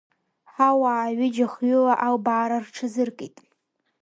Ҳауаа ҩыџьа-хҩыла албаара рҽазыркит.